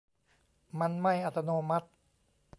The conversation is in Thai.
มันไม่อัตโนมัติ